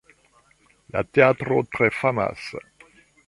La teatro tre famas.